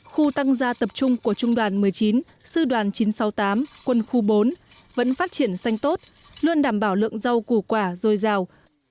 khu tăng gia tập trung của trung đoàn một mươi chín sư đoàn chín trăm sáu mươi tám quân khu bốn vẫn phát triển xanh tốt luôn đảm bảo lượng rau củ quả dồi dào